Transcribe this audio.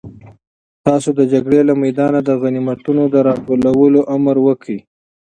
تاسو د جګړې له میدانه د غنیمتونو د راټولولو امر وکړئ.